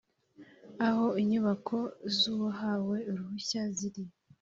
aho inyubako z uwahawe uruhushya ziri